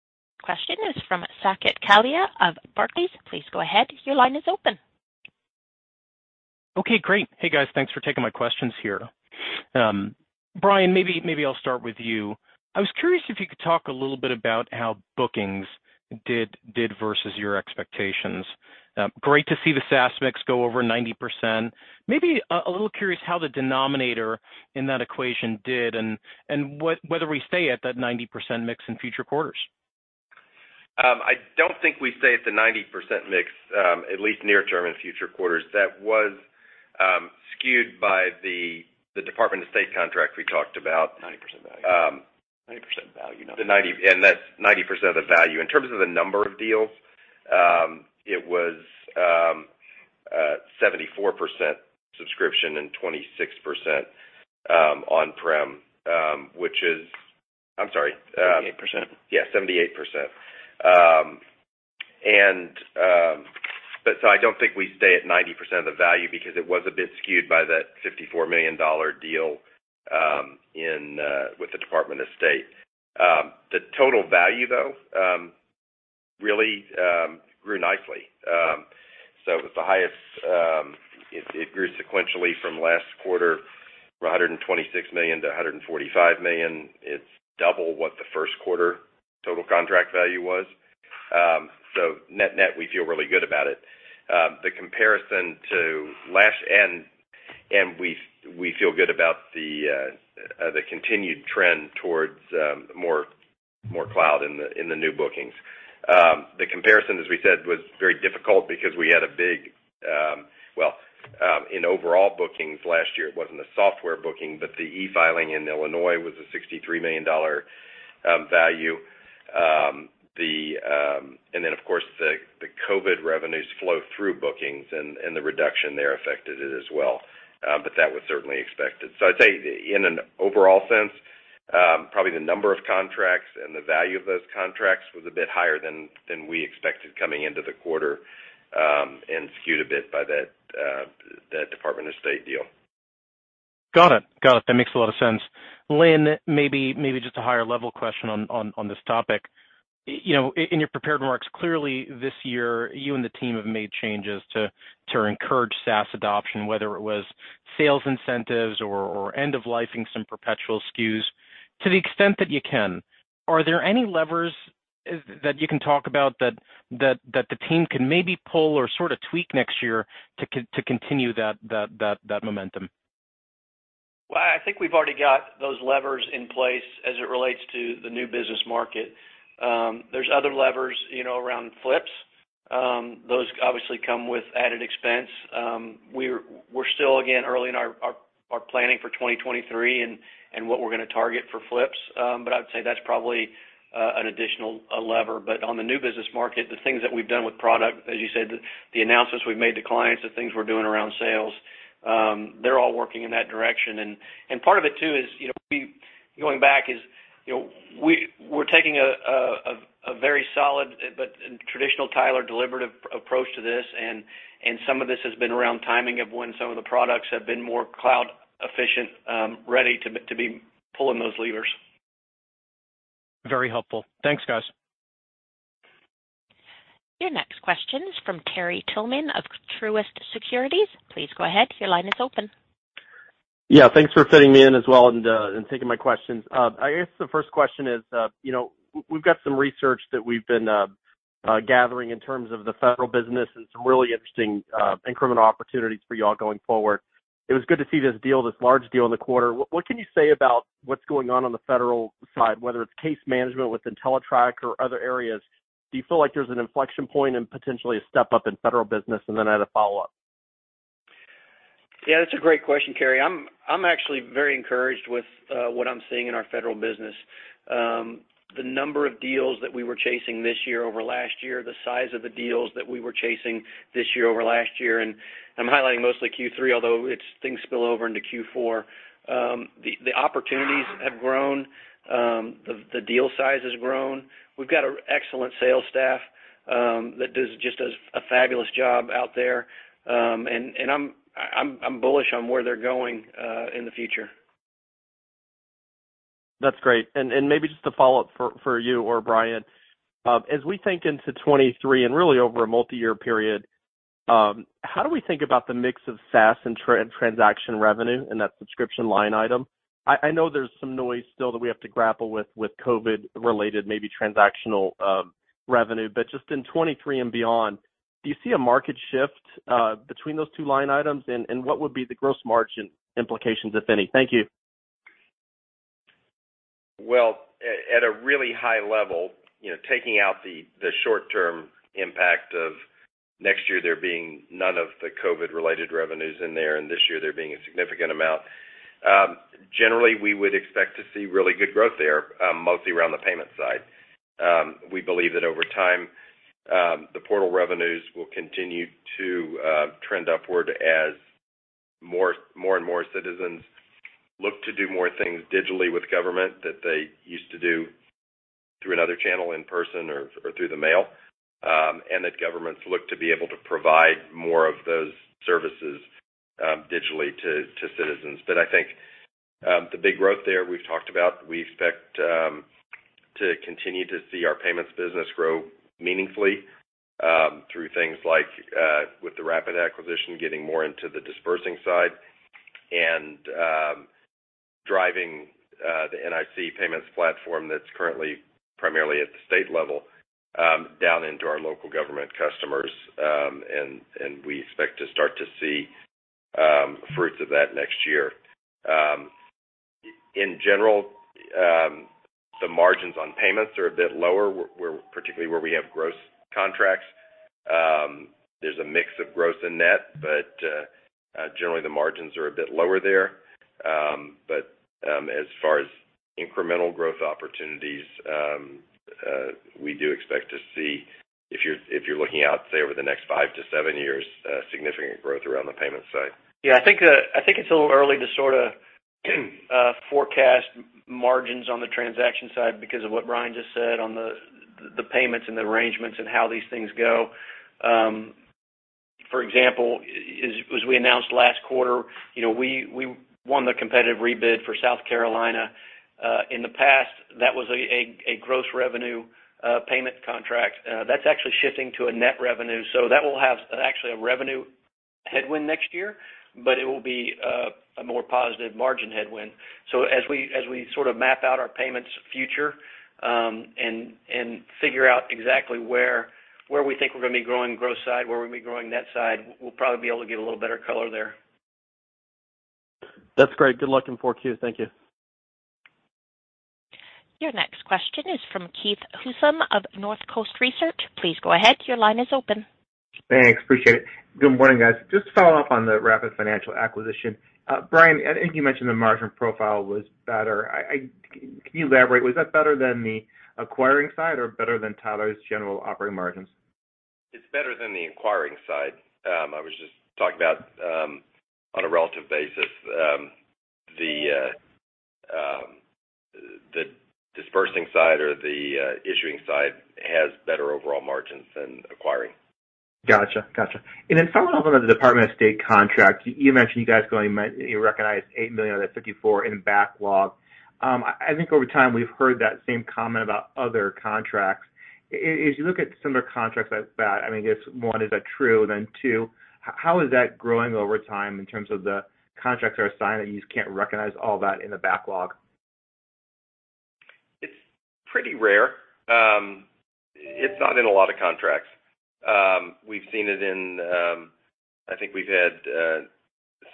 question is from Saket Kalia of Barclays. Please go ahead. Your line is open. Okay, great. Hey, guys. Thanks for taking my questions here. Brian, maybe I'll start with you. I was curious if you could talk a little bit about how bookings did versus your expectations. Great to see the SaaS mix go over 90%. Maybe a little curious how the denominator in that equation did and whether we stay at that 90% mix in future quarters. I don't think we stay at the 90% mix, at least near-term in future quarters. That was skewed by the Department of State contract we talked about. 90% value. That's 90% of the value. In terms of the number of deals, it was 74% subscription and 26% on-prem. I'm sorry. 78%. Yeah, 78%. I don't think we stay at 90% of the value because it was a bit skewed by that $54 million deal with the United States Department of State. The total value, though, really grew nicely. It was the highest. It grew sequentially from last quarter from $126 million to $145 million. It's double what the first quarter total contract value was. Net-net, we feel really good about it. The comparison to last end, and we feel good about the continued trend towards more cloud in the new bookings. The comparison, as we said, was very difficult because we had a big. Well, in overall bookings last year, it wasn't a software booking, but the e-filing in Illinois was a $63 million value. Of course, the COVID revenues flow through bookings and the reduction there affected it as well. That was certainly expected. I'd say in an overall sense, probably the number of contracts and the value of those contracts was a bit higher than we expected coming into the quarter, and skewed a bit by that Department of State deal. Got it. That makes a lot of sense. Lynn, maybe just a higher level question on this topic. You know, in your prepared remarks, clearly this year, you and the team have made changes to encourage SaaS adoption, whether it was sales incentives or end-of-lifing some perpetual SKUs. To the extent that you can, are there any levers? That you can talk about that the team can maybe pull or sort of tweak next year to continue that momentum. Well, I think we've already got those levers in place as it relates to the new business market. There's other levers, you know, around flips. Those obviously come with added expense. We're still again early in our planning for 2023 and what we're gonna target for flips. I would say that's probably an additional lever. On the new business market, the things that we've done with product, as you said, the announcements we've made to clients, the things we're doing around sales, they're all working in that direction. Part of it too is, you know, we're taking a very solid but traditional Tyler deliberative approach to this. Some of this has been around timing of when some of the products have been more cloud efficient, ready to be pulling those levers. Very helpful. Thanks, guys. Your next question is from Terry Tillman of Truist Securities. Please go ahead. Your line is open. Yeah, thanks for fitting me in as well and taking my questions. I guess the first question is, you know, we've got some research that we've been gathering in terms of the federal business and some really interesting incremental opportunities for you all going forward. It was good to see this deal, this large deal in the quarter. What can you say about what's going on on the federal side, whether it's case management with Entellitrak or other areas? Do you feel like there's an inflection point and potentially a step up in federal business? Then I had a follow-up. Yeah, that's a great question, Terry. I'm actually very encouraged with what I'm seeing in our federal business. The number of deals that we were chasing this year over last year, the size of the deals that we were chasing this year over last year, and I'm highlighting mostly Q3, although things spill over into Q4. The opportunities have grown. The deal size has grown. We've got an excellent sales staff that does just a fabulous job out there. I'm bullish on where they're going in the future. That's great. Maybe just a follow-up for you or Brian. As we think into 2023 and really over a multi-year period, how do we think about the mix of SaaS and transaction revenue in that subscription line item? I know there's some noise still that we have to grapple with with COVID related, maybe transactional, revenue, but just in 2023 and beyond, do you see a market shift between those two line items, and what would be the gross margin implications, if any? Thank you. At a really high level, you know, taking out the short-term impact of next year there being none of the COVID-related revenues in there, and this year there being a significant amount. Generally, we would expect to see really good growth there, mostly around the payment side. We believe that over time, the portal revenues will continue to trend upward as more and more citizens look to do more things digitally with government that they used to do through another channel in person or through the mail, and that governments look to be able to provide more of those services, digitally to citizens. I think the big growth there we've talked about. We expect to continue to see our payments business grow meaningfully through things like with the Rapid acquisition, getting more into the disbursing side and driving the NIC payments platform that's currently primarily at the state level down into our local government customers. We expect to start to see fruits of that next year. In general, the margins on payments are a bit lower, particularly where we have gross contracts. There's a mix of gross and net, but generally the margins are a bit lower there. As far as incremental growth opportunities, we do expect to see if you're looking out, say over the next five years-seven years, significant growth around the payment side. Yeah. I think it's a little early to sort of forecast margins on the transaction side because of what Brian just said on the payments and the arrangements and how these things go. For example, as we announced last quarter, you know, we won the competitive rebid for South Carolina. In the past, that was a gross revenue payment contract. That's actually shifting to a net revenue. That will have actually a revenue headwind next year, but it will be a more positive margin headwind. As we sort of map out our payments future, and figure out exactly where we think we're gonna be growing gross side, where we're gonna be growing net side, we'll probably be able to give a little better color there. That's great. Good luck in 4Q. Thank you. Your next question is from Keith Housum of Northcoast Research. Please go ahead. Your line is open. Thanks. Appreciate it. Good morning, guys. Just to follow up on the Rapid Financial acquisition. Brian, I think you mentioned the margin profile was better. Can you elaborate? Was that better than the acquiring side or better than Tyler's general operating margins? It's better than the acquiring side. I was just talking about, on a relative basis, the dispersing side or the issuing side has better overall margins than acquiring. Gotcha. Following up on the Department of State contract, you mentioned you recognized $8 million of that $54 million in backlog. I think over time we've heard that same comment about other contracts. If you look at similar contracts like that, I mean, one, is that true? Two, how is that growing over time in terms of the contracts are signed, and you just can't recognize all that in the backlog? Pretty rare. It's not in a lot of contracts. We've seen it. I think we've had a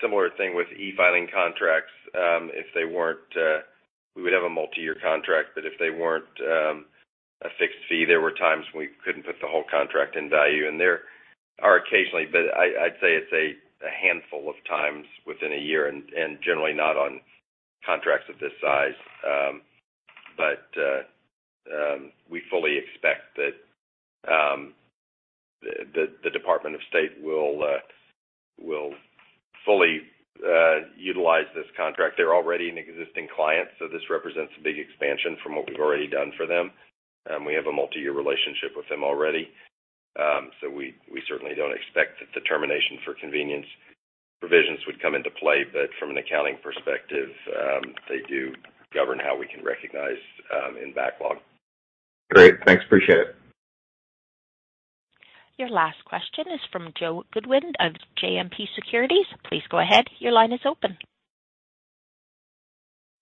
similar thing with e-filing contracts. If they weren't, we would have a multi-year contract, but if they weren't a fixed fee, there were times when we couldn't put the whole contract in value. There are occasionally, but I'd say it's a handful of times within a year and generally not on contracts of this size. We fully expect that the Department of State will fully utilize this contract. They're already an existing client, so this represents a big expansion from what we've already done for them. We have a multi-year relationship with them already. We certainly don't expect that the termination for convenience provisions would come into play. From an accounting perspective, they do govern how we can recognize in backlog. Great. Thanks. Appreciate it. Your last question is from Joe Goodwin of JMP Securities. Please go ahead. Your line is open.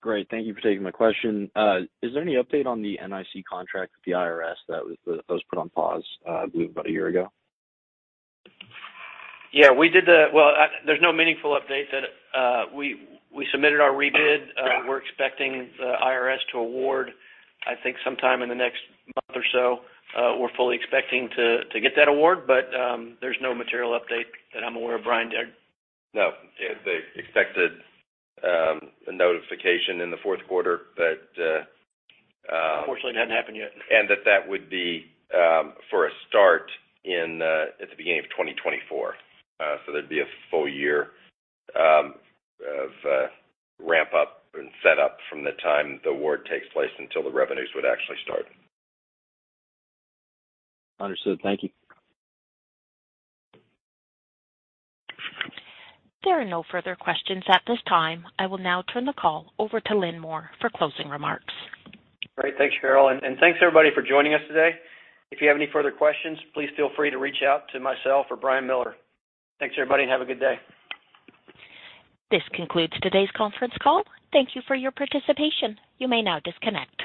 Great. Thank you for taking my question. Is there any update on the NIC contract with the IRS that was put on pause, I believe about a year ago? Well, there's no meaningful update that we submitted our rebid. Got it. We're expecting the IRS to award, I think, sometime in the next month or so. We're fully expecting to get that award, but there's no material update that I'm aware of. Brian? No. They expected a notification in the fourth quarter. It hasn't happened yet. That would be for a start at the beginning of 2024. There'd be a full year of ramp up and set up from the time the award takes place until the revenues would actually start. Understood. Thank you. There are no further questions at this time. I will now turn the call over to Lynn Moore for closing remarks. Great. Thanks, Cheryl. Thanks, everybody, for joining us today. If you have any further questions, please feel free to reach out to myself or Brian Miller. Thanks, everybody, and have a good day. This concludes today's conference call. Thank you for your participation. You may now disconnect.